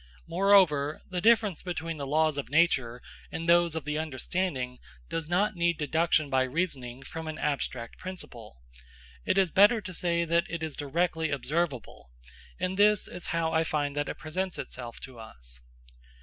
Moreover, the difference between the laws of nature and those of the understanding does not need deduction by reasoning from an abstract principle; it is better to say that it is directly observable, and this is how I find that it presents itself to us.